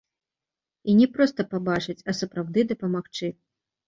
І не проста пабачыць, а сапраўды дапамагчы.